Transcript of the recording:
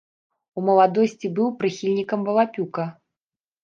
У маладосці быў прыхільнікам валапюка.